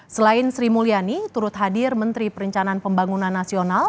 selain sri mulyani turut hadir menteri perencanaan pembangunan nasional